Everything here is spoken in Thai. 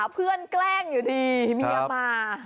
เพื่อนแกล้งอยู่ดีเมียมา